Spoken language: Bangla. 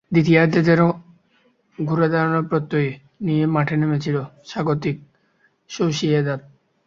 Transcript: দ্বিতীয়ার্ধে যেন কিছুটা ঘুরে দাঁড়ানোর প্রত্যয় নিয়েই মাঠে নেমেছিল স্বাগতিক সোসিয়েদাদ।